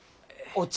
お茶！